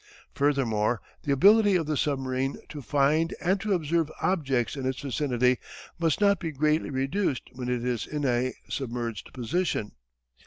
Furthermore, the ability of the submarine to find and to observe objects in its vicinity must not be greatly reduced when it is in a submerged position.